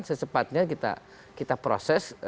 secepatnya kita proses